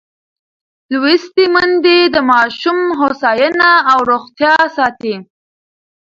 لوستې میندې د ماشوم هوساینه او روغتیا ساتي.